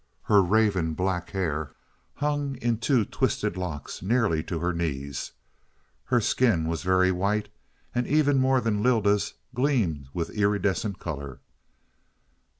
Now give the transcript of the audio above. Her raven black hair hung in two twisted locks nearly to her knees. Her skin was very white and, even more than Lylda's, gleamed with iridescent color.